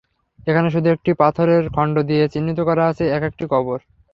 এখানে শুধু একটি পাথরের খণ্ড দিয়ে চিহ্নিত করা আছে একেকটি কবর।